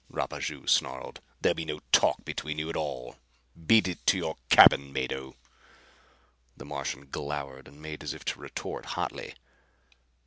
Rapaju snarled. "There'll be no talk between you at all. Beat it to your cabin, Mado." The Martian glowered and made as if to retort hotly.